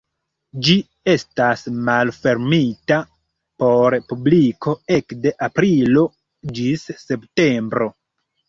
Ĝi estas malfermita por publiko ekde aprilo ĝis septembro.